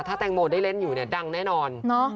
ถ้าแตงโมนได้เล่นอยู่ดังแน่นอน